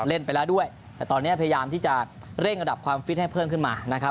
เล่นไปแล้วด้วยแต่ตอนนี้พยายามที่จะเร่งระดับความฟิตให้เพิ่มขึ้นมานะครับ